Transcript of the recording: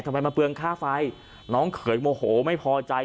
ทำไมมาเปลืองค่าไฟน้องเขยโมโหไม่พอใจ